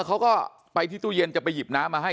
เขาก็ไปที่ตู้เย็นจะไปหยิบน้ำมาให้